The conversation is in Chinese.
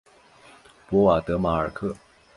博瓦德马尔克。